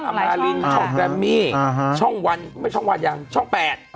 อัมราลินช่องเกรมมี่ช่องวันไม่ใช่ช่องวันอย่างช่อง๘